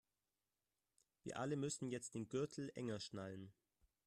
Wir alle müssen jetzt den Gürtel enger schnallen.